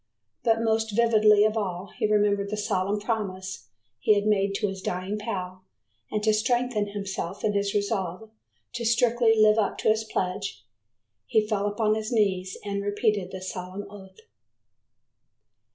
But most vividly of all he remembered the solemn promise he had made to his dying pal and to strengthen himself in his resolve to strictly live up to his pledge, he fell upon his knees and repeated the solemn oath.